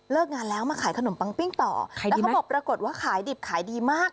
งานแล้วมาขายขนมปังปิ้งต่อแล้วเขาบอกปรากฏว่าขายดิบขายดีมาก